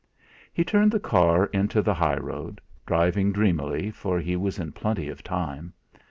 He turned the car into the high road, driving dreamily for he was in plenty of time.